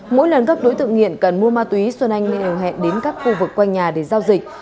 mỗi lần các đối tượng nghiện cần mua ma túy xuân anh liên hẹn đến các khu vực quanh nhà để giao dịch